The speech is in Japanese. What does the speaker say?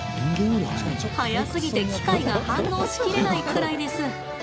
速すぎて機械が反応し切れないくらいです。